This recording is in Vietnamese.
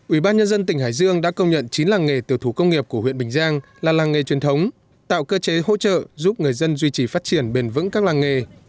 ủy ban nhân dân tỉnh hải dương đã công nhận chín làng nghề tiểu thủ công nghiệp của huyện bình giang là làng nghề truyền thống tạo cơ chế hỗ trợ giúp người dân duy trì phát triển bền vững các làng nghề